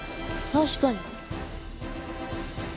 確かに。